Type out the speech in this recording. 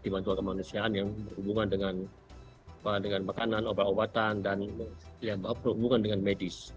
di bantuan kemanusiaan yang berhubungan dengan makanan obat obatan dan berhubungan dengan medis